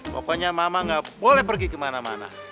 pokoknya mama gak boleh pergi kemana mana